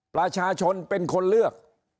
ประชาชนเป็นคนเลือก